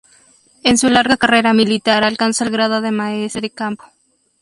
En su larga carrera militar alcanzó el grado de maestre de campo.